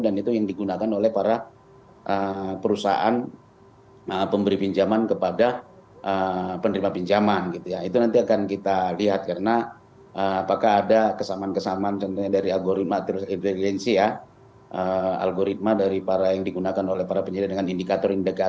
dan itu yang digunakan oleh penyedia